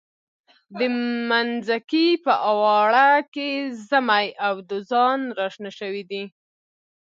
د منځکي په اواړه کې زمۍ او دوزان را شنه شوي دي.